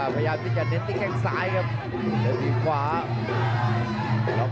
พาท่านผู้ชมกลับติดตามความมันกันต่อครับ